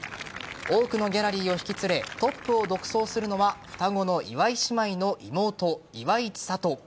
多くのギャラリーを引き連れトップを独走するのは双子の岩井姉妹の妹・岩井千怜。